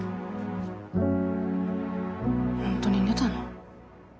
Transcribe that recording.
本当に寝たの？